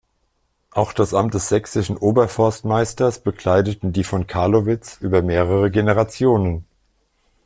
Auch das Amt des sächsischen Oberforstmeisters bekleideten die von Carlowitz über mehrere Generationen.